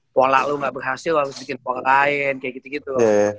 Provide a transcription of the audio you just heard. pola lo gak berhasil lo harus bikin pola lain kayak gitu gitu